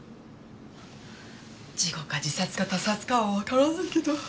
事故か自殺か他殺かはわからないけど。